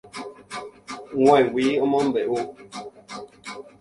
G̃uaig̃ui omombe'u.